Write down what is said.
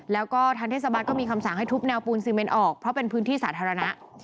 แล้วก็ทางเทศบาลก็มีคำสั่งให้ทุบแนวปูนซีเมนออกเพราะเป็นพื้นที่สาธารณะ